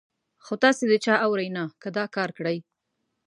خو تاسې د چا اورئ نه، که دا کار کړئ.